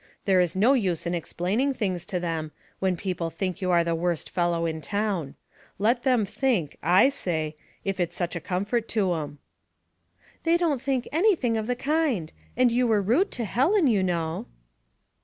There is no use in ex plaining things to them, when people think you are the worst fellow in town. Let them think, / say, if it's such a comfort to 'em." " They don't think anything of the kind ; and you were rude to Helen, you know."